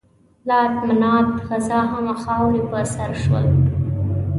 لات، منات، عزا همه خاورې په سر شول.